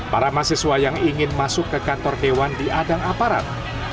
para mahasiswa yang ingin masuk ke kantor dewan diadang aparat